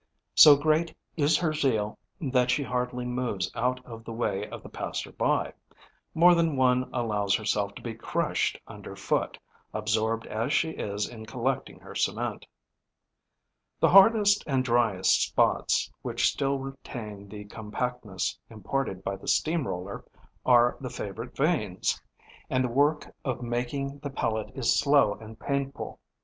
So great is her zeal that she hardly moves out of the way of the passer by; more than one allows herself to be crushed underfoot, absorbed as she is in collecting her cement. The hardest and driest spots, which still retain the compactness imparted by the steam roller, are the favourite veins; and the work of making the pellet is slow and painful.